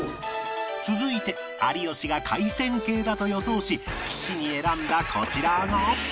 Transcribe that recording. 続いて有吉が海鮮系だと予想し岸に選んだこちらが